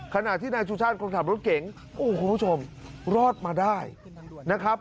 ขณะที่นายสุชาติคนขับรถเก๋งโอ้โหคุณผู้ชมรอดมาได้นะครับ